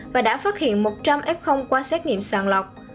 và đã phát hiện một trăm linh f qua xét nghiệm sàng lọc